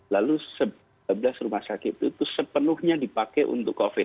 lalu tiga belas rumah sakit itu sepenuhnya dipakai untuk covid sembilan belas